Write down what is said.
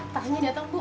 tahunya datang bu